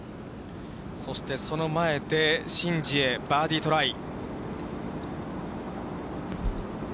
そして、その前でシン・ジエ、バーディートライ。